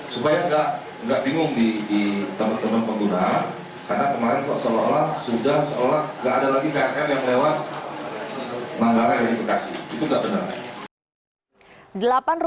supaya nggak bingung di teman teman penggunaan karena kemarin kok seolah olah sudah seolah nggak ada lagi krl yang lewat manggarai dari bekasi itu nggak benar